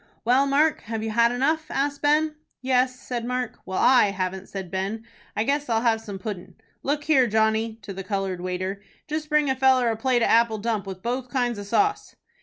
"Well, Mark, have you had enough?" asked Ben. "Yes," said Mark. "Well, I haven't," said Ben. "I guess I'll have some puddin'. Look here, Johnny," to the colored waiter, "just bring a feller a plate of apple dump with both kinds of sauce."